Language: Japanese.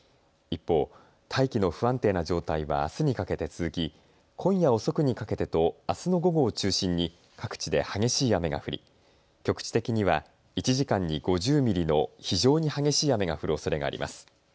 一方、大気の不安定な状態はあすにかけて続き今夜遅くにかけてとあすの午後を中心に各地で激しい雨が降り、局地的には１時間に５０ミリの非常に激しい雨が降るおそれがあります。